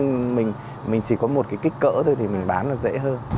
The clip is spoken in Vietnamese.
mình chỉ có một cái kích cỡ thôi thì mình bán là dễ hơn